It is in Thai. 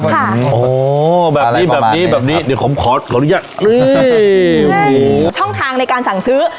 ค่ะโอ้แบบนี้แบบนี้แบบนี้เดี๋ยวผมขอเอ้ยช่องทางในการสั่งซื้อ